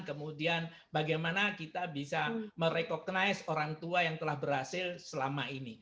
kemudian bagaimana kita bisa merecognize orang tua yang telah berhasil selama ini